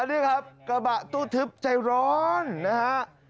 นี่ครับกระบะตู้ทึบใจร้อนนะฮะ